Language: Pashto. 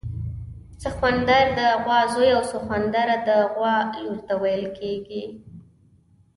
سخوندر د غوا زوی او سخونده د غوا لور ته ویل کیږي